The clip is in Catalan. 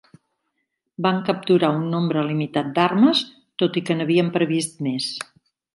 Van capturar un nombre limitat d'armes, tot i que n'havien previst més.